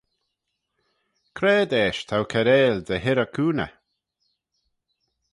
C'raad eisht t'ou kiarail dy hirrey cooney?